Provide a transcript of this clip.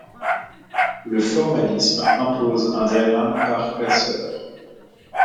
Le formalisme impose un diagramme par classeur.